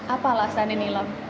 apa alasannya nilam